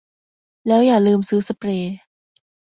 แล้วอย่าลืมซื้อสเปรย์